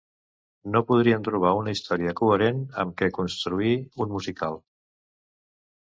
No podien trobar una història coherent amb què construir un musical.